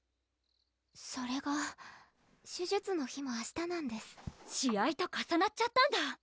それが手術の日も明日なんです試合と重なっちゃったんだ